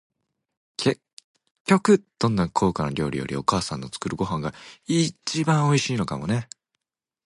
結局、どんなに高価な料理より、お母さんの作るご飯が一番おいしいのかもね。